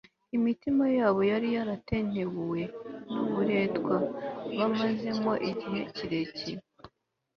imitima yabo yari yaratentebuwe n'uburetwa bamazemo igihe kirekire